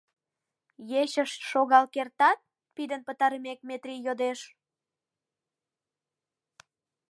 — Ечыш шогал кертат? — пидын пытарымек, Метрий йодеш.